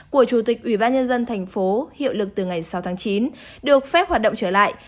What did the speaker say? của chủ tịch ủy ban nhân dân thành phố hiệu lực từ ngày sáu tháng chín được phép hoạt động trở lại